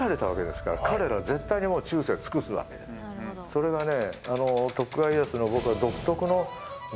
それがね。